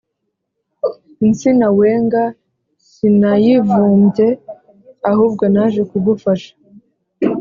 Insina wenga sinayivumbye ahubwo naje kugufasha